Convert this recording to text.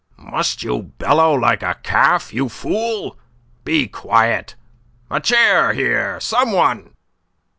"Must you bellow like a calf, you fool? Be quiet. A chair here, some one."